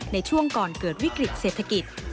ในช่วงก่อนเกิดวิกฤตเศรษฐกิจ